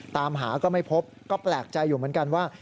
ตามหาก็ไม่พบก็แปลกใจอยู่เหมือนกันว่า